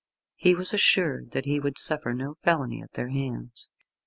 He was assured that he would suffer no felony at their hands.